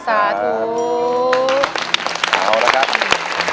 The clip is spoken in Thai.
สาธูค่ะสาธู